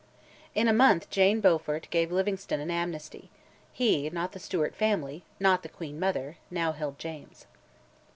In a month Jane Beaufort gave Livingstone an amnesty; he, not the Stewart family, not the queen mother, now held James.